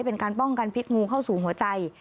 เป็นการป้องกันพิษงูเข้าสู่หัวใจ